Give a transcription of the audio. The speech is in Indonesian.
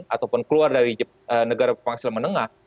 ataupun keluar dari negara penghasilan menengah